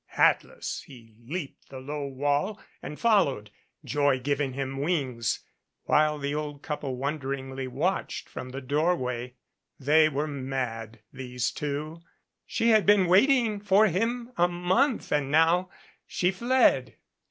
Hatless he leaped the low wall and followed, joy giving him wings, while the old couple wonderingly watched from the doorway. They were mad, these two. She had been waiting for him a month and now she fled.